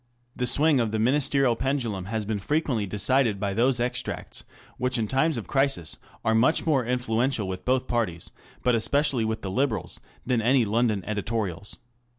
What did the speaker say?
The swing of the Ministerial pendulum has been frequently decided by those extracts, which in times of crisis are much more influential with both parties, but especially with the Liberals, than any London editorials.